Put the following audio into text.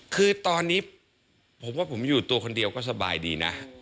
คือตอนนี้ผมว่าผมอยู่ตัวคนเดียวก็สบายดีนะ